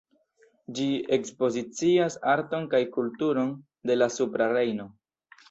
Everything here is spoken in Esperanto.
Ĝi ekspozicias arton kaj kulturon de la Supra Rejno.